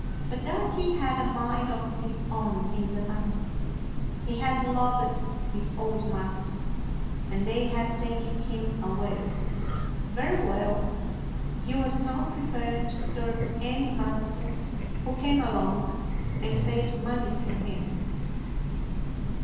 But Darky had a mind of his own in the matter. He had loved his old master, and they had taken him away. Very well, he was not prepared to serve any master who came along and paid money for him.